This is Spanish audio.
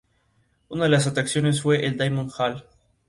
Emily Dickinson provenía de una prominente familia de Nueva Inglaterra.